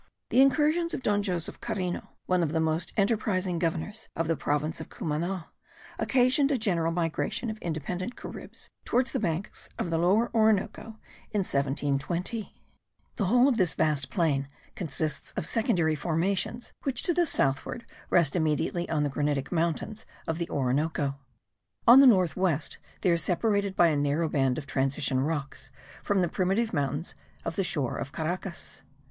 The incursions of Don Joseph Careno, one of the most enterprising governors of the province of Cumana, occasioned a general migration of independent Caribs toward the banks of the Lower Orinoco in 1720. The whole of this vast plain consists of secondary formations which to the southward rest immediately on the granitic mountains of the Orinoco. On the north west they are separated by a narrow band of transition rocks from the primitive mountains of the shore of Caracas.